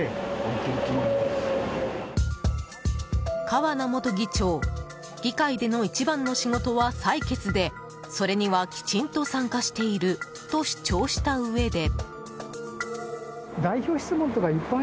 川名元議長議会での一番の仕事は採決でそれにはきちんと参加していると主張したうえで。